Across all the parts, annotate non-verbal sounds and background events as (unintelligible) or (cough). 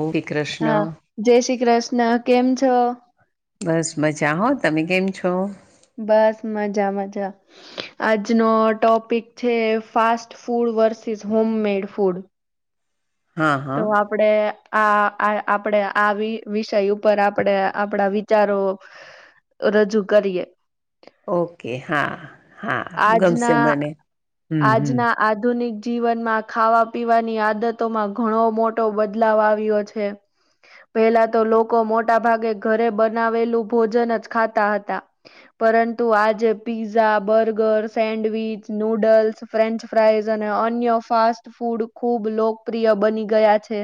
ઓ શ્રી હા કૃષ્ણ જય શ્રી કૃષ્ણ. કેમ છો? બસ મજા હો. તમે કેમ છો? બસ મજા-મજા. આજનો ટોપિક છે, fast food versus home made food હા હા તો આપડે. આ આપણે આ વિષય ઉપર આપણે આપણા વિચારો. રજૂ કરીએ. ઓકે હા. હા ગમશે આજના મને હમ હમ આજના આધુનિક. જીવનમાં ખાવા પીવાની આદતોમાં ઘણો મોટો બદલાવ આવ્યો છે. પેલા તો લોકો મોટા ભાગે ઘરે બનાવેલું ભોજન જ ખાતા હતા. પરંતુ આજે pizza burger sandwich noodles French fries અને અન્ય ફાસ્ટ ફૂડ ખૂબ લો. લોકપ્રિય બની ગયા છે.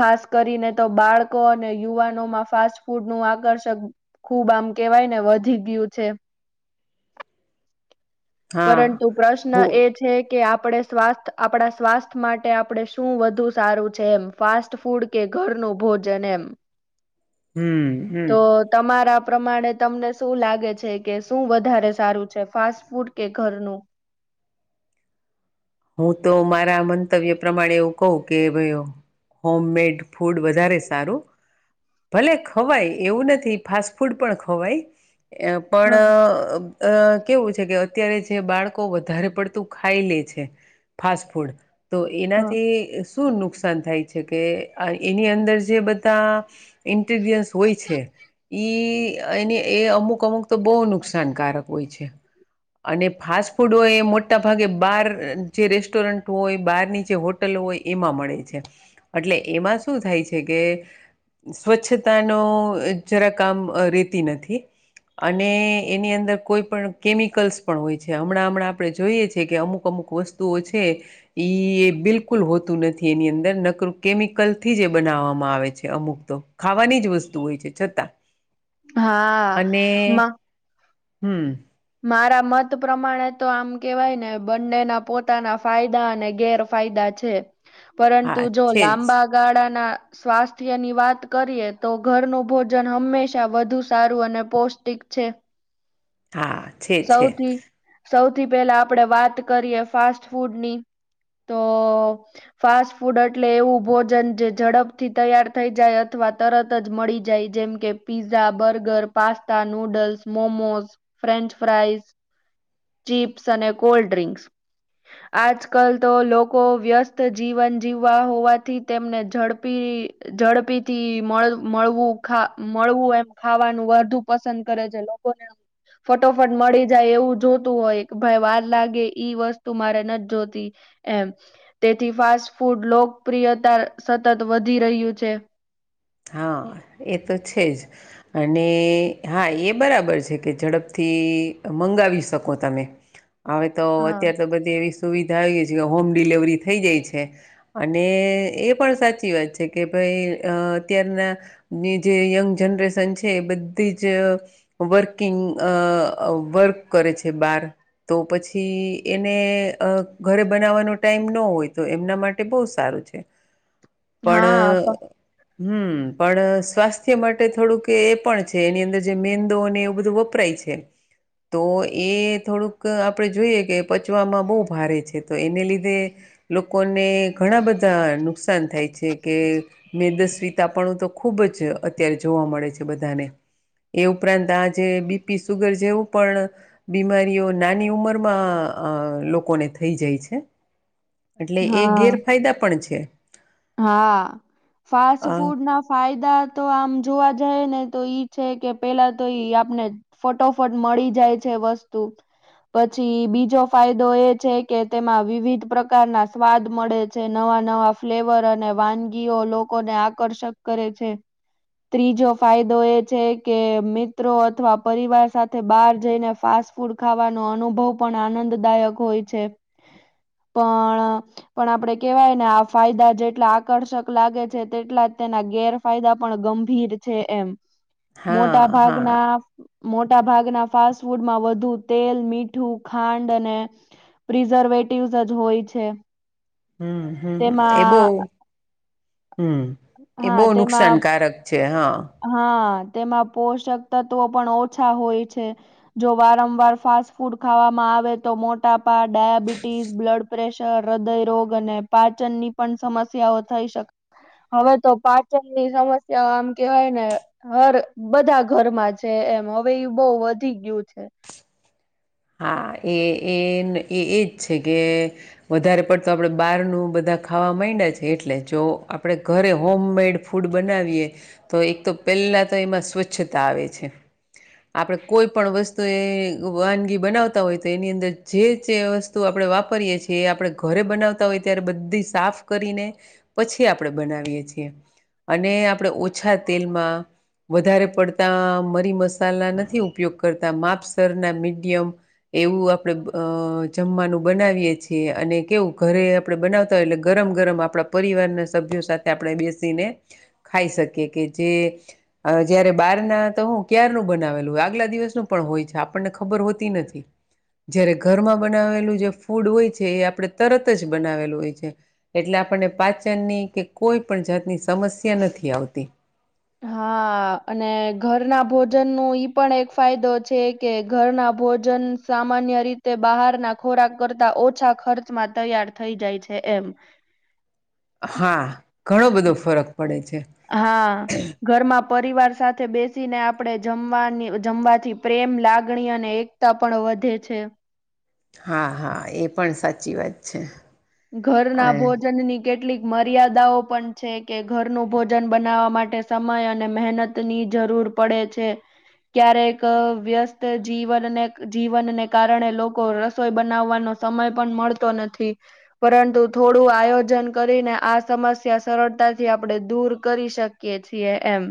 ખાસ કરીને તો બાળકો અને યુવાનોમાં ફાસ્ટ ફૂડ નું આકર્ષક. ખુબ આમ કેવાય ને વધી ગયું છે. હા પરંતુ પ્રશ્ન બો એ છે કે આપ. આપ સ્ આપણા સ્વાસ્થ્ય માટે આપણે શું વધુ સારું છે એમ ફાસ્ટ ફૂડ કે ઘરનું. ભોજન એમ હમ હમ તો તમારા. પ્રમાણે તમને શું લાગે છે કે શું વધારે સારું છે. ફાસ્ટ ફૂડ કે ઘરનું. હું તો મારા મંતવ્ય પ્રમાણે એવું કહ કે ભાઈ. હોમ મેડ ફૂડ વધારે સારું. ભલે ખવાય એવું નથી ફાસ્ટ ફૂડ પણ ખવાય. પણ. હા અ કેવું છે કે અત્યારે જે બાળકો વધારે પડતું ખાઈ લે છે. ફાસ્ટ ફૂડ તો હા. એનાથી. શું નુકસાન થાય છે કે એની અંદર જે બધા ઈન. ગ્રેડિઅંટ્સ હોય છે ઇ. એની એ અમુક અમુક તો બહુ નુકસાનકારક હોય છે. અને ફાસ્ટ ફૂડ એ મોટા ભાગે બાર. જે રેસ્ટોરન્ટ હોય બહારની જે હોટલો હોય એમાં મળે છે. એટલે એમાં શું થાય છે કે કે સ્વચ્છતા નો અહ જરાક આમ અહ રેતી નથી. અને એની અંદર કોઈ પણ કેમિકલ્સ પણ હોય છે. હમણાં હમણાં આપણે જોઈએ છીએ કે અમુક અમુક વસ તુઓ છે. ઇ એ બિલકુલ હોતું નથી એની અંદર નકર કેમિકલ થી જ બનાવા માં આવે છે અમુક તો. ખાવાની જ વસ્તુ હોય છે છતાં હા અને મા હમ મારા મત પ્રમાણે તો આમ કેવાય ને બંનેના પોતાના ફાયદા અને ગેરફાયદા છે હા પરંતુ જો છે જ લાંબા ગાળાના સ્વાસ્થ્ય ની વાત કરીએે તો ઘર ન ભોજન હંમેશા શા વધુ સારું અને પૌષ્ટિક છે. હા છે છે. સૌથી સૌથી પહેલા આપડણે વાત કરીએ ફાસ્ટ ફૂડની. તો ફાસ્ટ ફૂડ એટલે એવું ભોજન જે ઝડપથી તૈયાર થઈ જાય અથવા, તરત જ મળી જાય જેમ કે pizza burger pasta noodles momos French. Fries chips અને કોલ્ડ ડ્રિંક્સ. આજકાલ તો લોકો વ્યસ્ત જીવન જીવવા હોવાથી તેમને ઝડપી. ઝડપીથી મળ મળવું ખા મળવું એમ ખાવાનું વધુ પસંદ કરે. લોકોને ફટોફટ મળી જાય એવું જો. તુ હોય ભાઈ વાર લાગે ઈ વસ્તુ મારે નથી જોતી એમ તેથી ફાસ્ટ ફૂ. ફૂડ લોકપ્રિયતા સતત વધી રહ્યું છે. હા એ તો છે જ અને હા એ બરાબર છે કે ઝડપથી. મંગાવી શકો તમે હવે તો હા અત્યાર તો બધી એવી સુવિધા (unintelligible) જે હોમ ડિલેવરી થઈ જાય છે અને એ પણ સાચી વાત છે કે ભાઈ અહ અત્યારના ની જે યંગ જનરેશન છે એ બધીજ અહ વર્કિંગ અહ અહ અહ વર્ક કરે છે બાર. તો પછી એને અહ ઘરે બનાવાનો ટાઈમ નો હોય, તો એમના માટે બહ સારું છે. (unintelligible) પણ હા. ફ અહ હમ્મ પણ સ્વાસ્થ્ય માટે થોડુંક એ પણ છે એની અંદર જે મેંદોને એવું બધું વપરાય છે. તો એ થોડુંક આપણે જોઈએ કે પચવામાં બહુ ભારે છે તો એને લીધે લોકોને ઘણા બધા નુકસાન થાય છે કે મેદસ તીતાપણું તો ખુબજ અહ અત્યારે જોવા મળે છે બધાને. એ ઉપરાંત આ જે બીપી સુગર જેવું પણ બીમારીઓ નાની ઉંમરમાં અહ લોકોને થઈ જાય છે. હ (unintelligible) એટલે એ ગેરફાયદા પણ છે. હા, ફાસ્ટ અ ફૂડ ના ફાયદા તો આમ જોવા જાય ને તો ઈ છે કે પેલા તો ઈ આપને ફટોફટ મળી જાય છે વસ્તુ. પછી બીજો ફાયદો એ છે કે તેમાં વિવિધ પ્રકારના સ્વાદ મળે છે. ન વા નવા ફ્લેવર અને વાનગીઓ લોકોને આકર્ષક કરે છે. ત્રીજો ફાયદો એ છે કે મિત્રો અથવા પરિવાર સાથે બહાર જઈને ફા સ્ટ ફૂડ ખાવાનો અનુભવ પણ આનંદદાયક હોય છે. પણ પણ આપડે કેવાય ને આ ફાયદા જે એટલા આકર્ષક લાગે છે તેટલા જ તેના ગેરફાયદા પણ ગંભીર છે એમ. મોટા હા હા ભાગના મોટા ભાગના ફાસ્ટ ફૂડમાં વધુ તેલ મીઠું ખાંડ અને પ્રિઝર્વે ટીવઅજ હોય છે. હમ્મ હમ્મ. એ બહુ તેમાં હમ્મ એ હા બહુ તેમાં નુકસાનકારક છે હા હા. તેમાં પોષક તત્વો પણ ઓછા હોય છે. જો વારંવાર ફાસ્ટ ફૂડ ખાવામાં આવે તો મોટા પા ડાયાબિટીસ, બ્લડ પ્રેશર, હૃદયરોગ અને પાચનની પણ સમ સ્યાઓ થઈ શકે હવે સક. હવે તો પાચનની સમસ્યા આમ કેવાય ને હર બધા ઘરમાં છે એમ. હવે એ બહ વધી ગયું છે. હા, એ એન એ એજ છે કે વધારે પડતો આપડે બારનું બધા ખાવા મઈંડા એટલે. જો આપણેે ઘરે હોમ મેડ ફૂડ બનાવીએ તો એક તો પે પેલા તો એમાં સ્વચ્છતા આવે છે. આપડે કોઈ પણ વસ્તુ એ વાનગી બનાવતા હોય તો એની અંદર જે જે વસ્તુ આપણે વાપરીએ છીએ એ આપણે ઘરે બનાવતા હોય ત્યારે બધી સાફ કરીને પછી આપણે બનાવીએ છીએ. અને આપણે ઓછા તેલમાં વધારે પડતા મરી મસાલા નથી ઉપયોગ કરતા માપસરના મીડિયમ એવું આપડે અહ જમવાનું બનાવીએ છીએ અને કેવું ઘરે આપડે બનાવતા હોય ગરમ ગરમ આપણા પરિવારના સભ્યો સાથે આપણે બેસીને ખાઈ શકીએ કે જે અહ જયારે બાર ના તો હું ક્યારનું બનાવેલુંય આગલા દિવસનું પણ હોય છે આપણને ખબર હોતી નથ તી. જયારે ઘરમાં બનાવેલું જે ફૂડ હોય છે એ આપણે તરત જ બનાવેલું હોય છે એટલે આપણ પાચન ની કે કોઈ પણ જાતની સમસ્યા નથી આવતી. હા અને ઘરના ભોજન નું ઈ પણ એક ફાયદો છે કે ઘરના. આ ભોજન સામાન્ય રીતે બહારના ખોરાક કરતા ઓછા ખર્ચમાં તૈયાર થઈ જાય છે. એમ. હા ઘણો બધો ફરક. પડે છે. હા ઘરમાં. પરિવાર સાથે બેસીને આપણે જમવાની જમવાથી પ્રેમ લાગણી અને એકતા પણ. વધે છે. હા હા એ પણ સાચી વાત છે. ઘર ના અને ભોજન ની કેટલી. મર્યાદાઓ પણ છે કે ઘરનું ભોજન બનાવવા માટે સમય અને મહેનતની જરૂર. ર પડે છે. ક્યારેક વ્યસ્ત જીવનને જીવનને કારણે લોકો રસોઈ બનાવવાનો. સમય પણ મળતો નથી. પરંતુ થોડું આયોજન કરીને આ સમસ્યા સરળતાથી આપણે દૂર કરી શકીએ. છી એમ.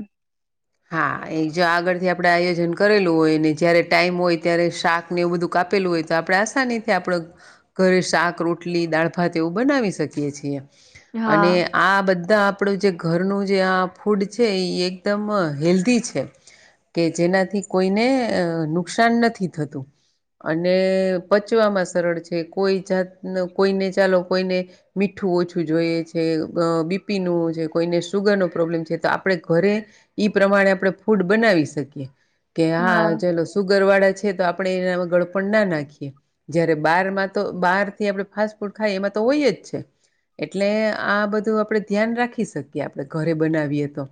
હા એ જો આગળ થી આપડે આયોજન કરેલું હોય ને જયારે ટાઈમ હોય ત્યારે શાક ને એવું બધું કા. આપેલું હોય તો આપણે આસાનીથી આપણે ઘરે શાક રોટલી દાળ ભાત એવું બનાવી શકીએ છીએ. હા અને આ બધા આપડું જે ઘરનું જે આ ફૂડ છે એકદમ. હેલ્ધી છે કે જેનાથી કોઈને નુકસાન નથી થતું. અને પચવામાં સરળ છે કોઈ જાત કોઈને ચાલો કોઈને મીઠું. આઠું ઓછું જોઈએ છે બીપી નું છે કોઈને સુુગર નો પ્રોબ્લેમ છે તો આપણેે ઘરે. ઈ પ્રમાણે આપણે ફૂડ બનાવી શકીએ કે હા ચલો સુગર વાળા છે જે આપણે ગળપણ ના નાખીએ જયારે બાર તો બારથી આપ ફાસ્ટ ફૂડ ખાય એમાં તો હોય જ છે. એટલે આ બધું આપડે ધ્યાન રાખી શકીએ આપણે ઘરે બનાવીએ તો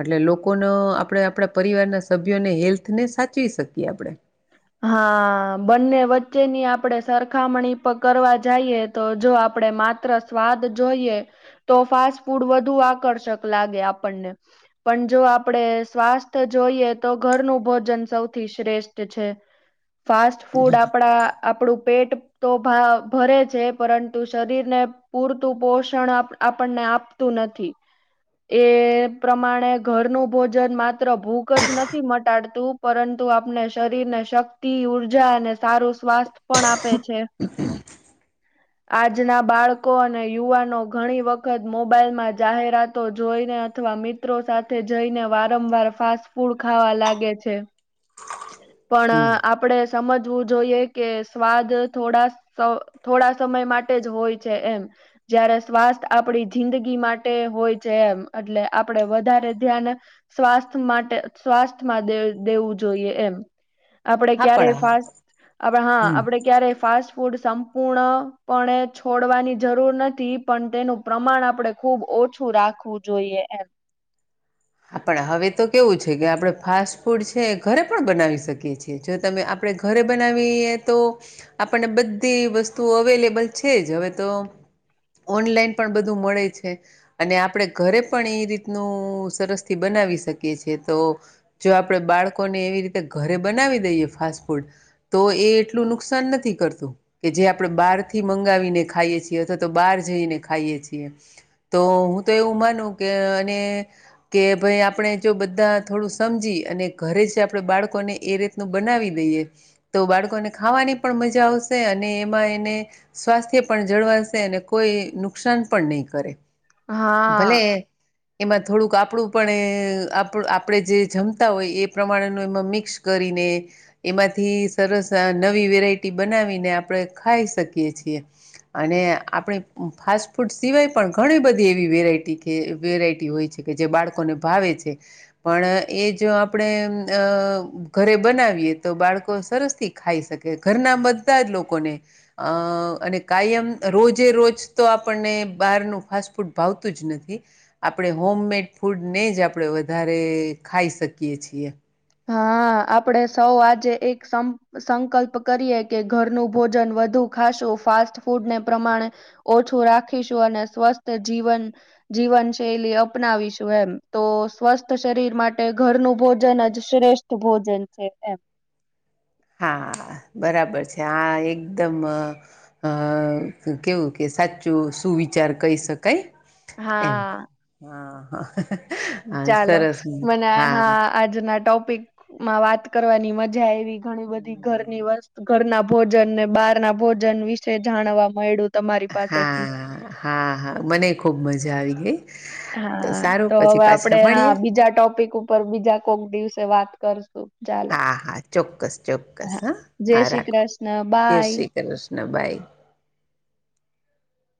એટલે લોકો લોકોનો આપણે આપણા પરિવારના સભ્યોને હેલ્થને સાચવી શકીએ આપણે. (inaudible) હા બંને વચ્ચે ની આપણેે સરખામણી પર કરવા જઈએ તો જો આપડે માત્ર સ્વાદ જોઈએ તો ફાસ્ટ ફૂડ વધુ આકર્ષક લાગે આપણને. પણ જો આપડે સ્વાસ્થ્ય જોઈએ તો ઘરનું ભોજન સૌથી શ્રેષ્ઠ જે છે ફાસ્ટ ફૂડ આપણા આપણું પેટ તો ભરે છે પરંતુ શરીરને પૂરતું પોષણ આપણને આપતું નથી. એ પ્રમાણે ઘરનું ભોજન માત્ર ભૂખ જ નથી મટાડતું પરંતુ આપણે શરીર ને શક્તિ ઉર્જા અને સારું સ્વાસ્થ પણ આપે છે. (inaudible) આજના બાળકો અને યુવાનો ઘણી વખત મોબાઈલ માં જાહેરાતો જોઈને અથવા મિત્રો સાથે જઈને વારંવાર ફાસ્ટ ફૂડ ખાવા લાગે છે. હમ પણ આપડે સમજવું જોઈએ કે સ્વાદ થોડા થોડા સમય માટે જ હોય છે એમ. જયારે સ્વાસ્થ આપડી જિંદગી માટે હોય છે એમ એટલે આપડે વધારે ધ્યાન સ્વાસ્થ માટે સ્વાસ્થ્યમાં દેવું જોઈએ. જોઈએ એમ આપડે હા ક્યારે પણ હા ફાસ્ટ હા હમ આપડે ક્યારે ફાસ્ટ ફૂડ સંપૂર્ણપણે છોડવાની જરૂર નથી પણ તેનું પ્રમાણ આપણે ખૂબ ઓ ઓછું રાખવું જોઈએ એમ. આપણે હવે તો કેવું છે કે આપણે ફાસ્ટ ફૂડ છે એ ઘરે પણ બનાવી શકીએ છીએ જો તમે આપણે આપણે ઘરે બનાવીએ તો આપણને બધી વસ્તુઓ અવેલેબલ છે જ હવે તો ઓનલાઈન પણ બધું મળે છે અને આપણે ઘરે પણ એ રીતનું સરસ બનાવી શકીએ છીએ તો જો આપડણે બાળકોને એવી રીતે ઘરે બનાવી દઈએ ફાસ્ટ ફૂડ તો એ એટલું નુકસાન નથી કરતું કે જે આપણે બહાર થી મંગાવીને ખાઈએ છીએ અથવા તો તો બહાર જઈને ખાઈએ છીએ તો હું તો એવું માનું કે અને કે ભાઈ આપણે જો બધા થોડું સમજી અને ઘરે જ આપણે બાળકોને એ રીતનું બનાવી દઈએ તો બાળકોને ખાવાની પણ મજા આવશે અને એમાં એને સ્વાસ્થ્ય પણ જળવા શે એને કોઈ નુકસાન પણ નહીં કરે. ભલે હા. એમાં થોડુંક આપ આપણું પણ આપણે જે જમતા હોય એ પ્રમાણેનું એમાં મિક્સ કરીને એમાંથી સરસ નવી વેરાયટી બનાવીને આપણે ખાઈ શકીએ છીએ. અને આપણે ફાસ્ટ ફૂડ સિવાય પણ ઘણી બધી એવી વેરાયટી કે વેરાયટી હોય છે. કે જે બાળકોને ભાવે છે પણ એ જો આપણે અ ઘરે બનાવીએ તો બાળકો સરસ થી ખાઈ શકે ઘરના બધા જ લોકોને અ અને કાયમ રોજે રોજ તો આપણને બહારનું ફાસ્ટ ફૂડ ભાવતું જ નથી આપણે હોમમેડ ફૂડ ને જ આપણે વધારે ખાઈ શકીએ છીએ. હા આપડે સૌ આજે એક સંક સંકલ્પ કરીએ કે ઘરનું ભોજન વધુ ખાશું ફાસ્ટ ફૂડને પ્રમાણે ઓછું રાખીશું અને સ્વસ્થ જીવન જીવન શૈલી અપનાવીશું એમ તો સ્વસ્થ શરીર માટે ઘરનું ભોજન જ શ્રેષ્ઠ ભોજન છે એમ. હા બરાબર છે આ એકદમ અ અ કેવું કે સાચું સુવિચાર કહી શકાય એમ હા. હ-હ. ચાલો મને હા આજના ટોપિક માં વાત કરવાની મજા આવી ઘણી બધી ઘરની વસ્તુ ઘરના ભોજન ને બહાર ના ભોજન વિશે જાણવા મળ્યું. હા હા હા મને ખુબ મજા આવી ગઈ. હા સારું તો પછી હવે પાછા આપડે મળીએ. હા બીજા ટોપિક ઉપર બીજા કોક દિવસે વાત. કરશું. ચાલો. હા હા ચોક્કસ ચોક્કસ હા જય હા શ્રી રાખો. કૃષ્ણ જય બાય. શ્રી કૃષ્ણ ભાઈ.